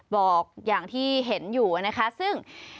บอกอย่างที่เห็นอยู่นะคะซึ่ง